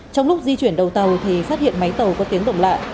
trong lúc di chuyển đầu tàu thì phát hiện máy tàu có tiếng động lạ